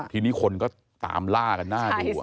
ทีนี้คนก็ตามล่ากันน่าดู